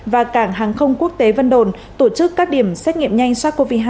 và cảng hàng không quốc tế vân đồn tổ chức các điểm xét nghiệm nhanh sars cov hai